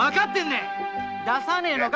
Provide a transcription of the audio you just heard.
ださねえのか？